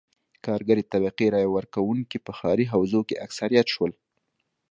کارګرې طبقې رایه ورکوونکي په ښاري حوزو کې اکثریت شول.